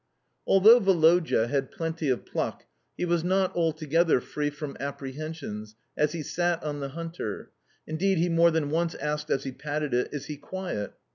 Although Woloda had plenty of pluck, he was not altogether free from apprehensions as he sat on the hunter. Indeed, he more than once asked as he patted it, "Is he quiet?"